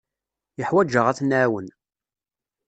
Yeḥwaj-aɣ ad t-nɛawen.